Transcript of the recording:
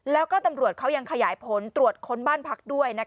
แล้วก็ตำรวจเขายังขยายผลตรวจค้นบ้านพักด้วย